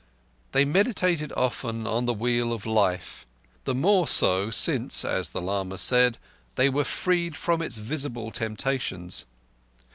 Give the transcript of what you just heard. They meditated often on the Wheel of Life—the more so since, as the lama said, they were freed from its visible temptations.